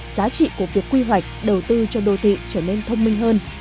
giá trị của việc quy hoạch đầu tư cho đô thị trở nên thông minh hơn